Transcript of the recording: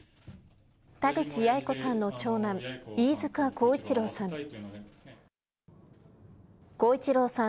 田口八重子さんの長男、飯塚耕一郎さん。